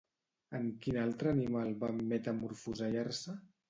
En quin altre animal van metamorfosejar-se?